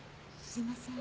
すいません。